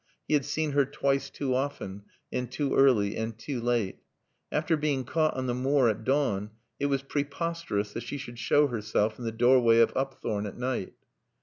He had seen her twice too often, and too early and too late. After being caught on the moor at dawn, it was preposterous that she should show herself in the doorway of Upthorne at night.